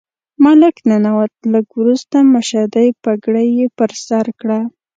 ملک ننوت، لږ وروسته مشدۍ پګړۍ یې پر سر کړه.